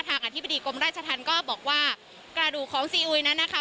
อธิบดีกรมราชธรรมก็บอกว่ากระดูกของซีอุยนั้นนะคะ